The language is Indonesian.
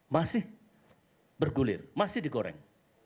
masih bergulir masih digoreng